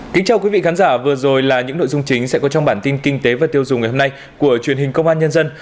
kính chào quý vị khán giả vừa rồi là những nội dung chính sẽ có trong bản tin kinh tế và tiêu dùng ngày hôm nay của truyền hình công an nhân dân